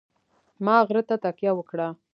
ما غره ته تکیه وکړه.